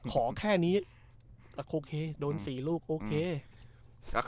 ขอแค่นี้โอเคโดน๔ลูก